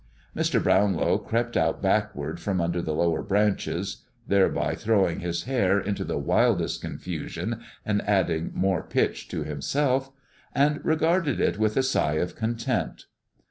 Mr. Brownlow crept out backward from under the lower branches, (thereby throwing his hair into the wildest confusion and adding more pitch to himself), and regarded it with a sigh of content.